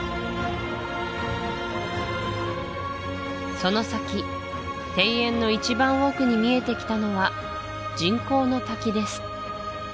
その先庭園の一番奥に見えてきたのは人工の滝です